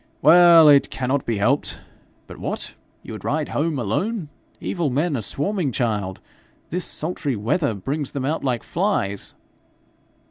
Well, it cannot be helped. But what! you would ride home alone! Evil men are swarming, child. This sultry weather brings them out like flies.'